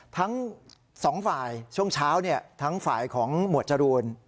ทั้งสองฝ่ายช่วงเช้าทั้งฝ่ายของหมวดจรูน